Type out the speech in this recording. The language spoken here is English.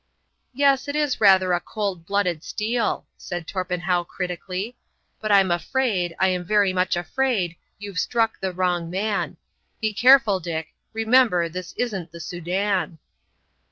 "Yes, it is rather a cold blooded steal," said Torpenhow, critically; "but I'm afraid, I am very much afraid, you've struck the wrong man. Be careful, Dick; remember, this isn't the Soudan."